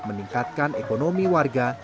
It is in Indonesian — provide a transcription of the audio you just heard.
meningkatkan ekonomi warga